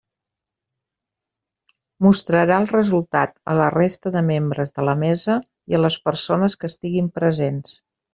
Mostrarà el resultat a la resta de membres de la mesa i a les persones que estiguin presents.